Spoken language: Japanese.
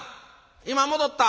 今戻った。